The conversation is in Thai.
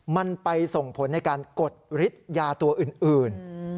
มันไปส่งผลในการกดฤทธิ์ยาตัวอื่น